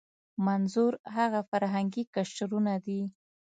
منظور هغه فرهنګي قشرونه دي.